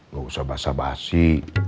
gak usah basah basi